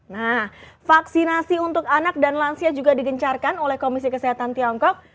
nah vaksinasi untuk anak dan lansia juga digencarkan oleh komisi kesehatan tiongkok